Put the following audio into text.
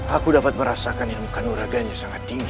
aku dapat merasakan yang bukan nuraganya sangat tinggi